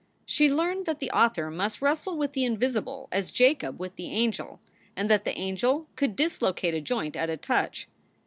She learned that the author must wrestle with the invisible as Jacob with the angel, and that the angel could dislocate a joint at a touch.